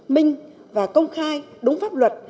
minh và công khai đúng pháp luật